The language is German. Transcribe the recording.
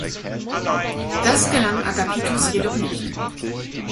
Das gelang Agapitus jedoch nicht.